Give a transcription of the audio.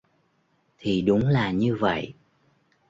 Thì đúng là như vậy